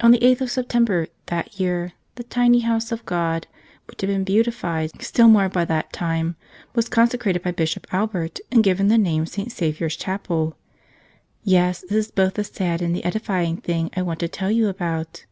On the eighth of September, that year, the tiny house of God, which had been beautified still more by that time, was consecrated by Bishop Albert and given the name St. Savior's Chapel. Yes; this is both the sad and the edifying thing I wanted to tell you about.